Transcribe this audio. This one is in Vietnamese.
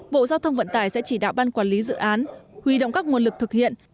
bộ giao thông vận tải sẽ chỉ đạo ban quản lý dự án huy động các nguồn lực thực hiện